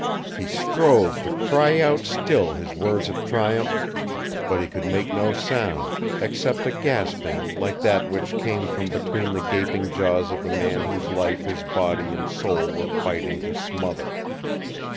He strove to cry out still his words of triumph; but he could make no sound, except a gasping like that which came from between the gaping jaws of the man whose life his body and soul were fighting to smother.